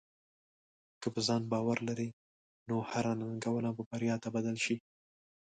که په ځان باور لرې، نو هره ننګونه به بریا ته بدل شي.